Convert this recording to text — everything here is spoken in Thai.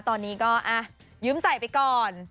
ตอนนี้ก็ยืมใส่ไปก่อน